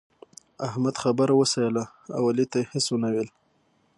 احمد خبره وسهله او علي ته يې هيڅ و نه ويل.